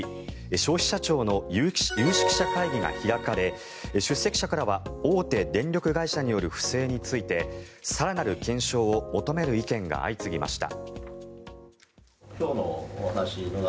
消費者庁の有識者会議が開かれ出席者からは大手電力会社による不正について更なる検証を求める意見が相次ぎました。